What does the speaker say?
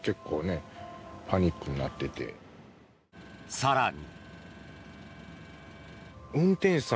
更に。